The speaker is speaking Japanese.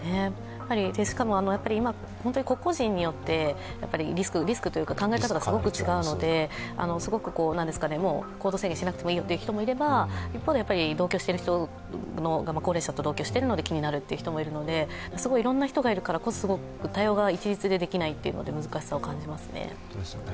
しかも、今、本当に個々人によってリスクというか考え方がすごく違うので行動制限しなくてもいいよという人もいれば、一方で、高齢者と同居しているので気になるという人もいるので、いろんな人がいるからこそすごく対応が一律でできないというので難しさを感じますね。